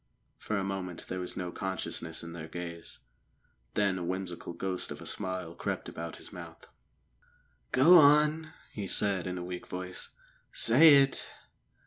For a moment there was no consciousness in their gaze; then a whimsical ghost of a smile crept about his mouth. "Go on," he said in a weak voice. "Say it!"